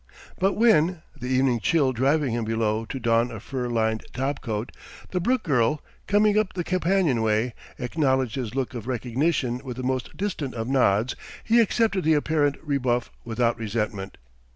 But when the evening chill driving him below to don a fur lined topcoat the Brooke girl, coming up the companionway, acknowledged his look of recognition with the most distant of nods, he accepted the apparent rebuff without resentment.